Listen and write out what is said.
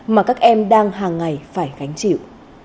mà các em đang hàng ngày phải gánh chịu